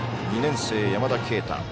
２年生、山田渓太。